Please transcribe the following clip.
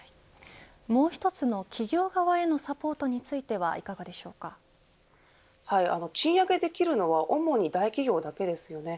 もう一つの企業側へのサポートについては賃上げできるのは主に大企業だけですよね。